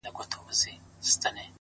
سپوږميه کړنگ وهه راخېژه وايم;